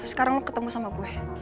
sekarang lo ketemu sama gue